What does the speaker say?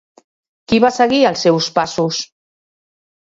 Qui va seguir els seus passos?